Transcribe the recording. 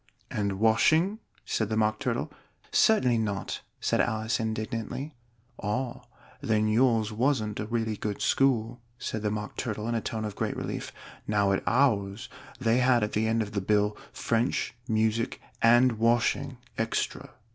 "And washing?" said the Mock Turtle. "Certainly not!" said Alice indignantly. "Ah! then yours wasn't a really good school," said the Mock Turtle in a tone of great relief. "Now at ours they had at the end of the bill, 'French, music, and washing extra.'"